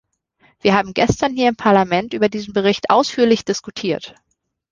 Wir haben gestern hier im Parlament über diesen Bericht ausführlich diskutiert.